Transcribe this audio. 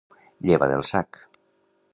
Lleva del sac.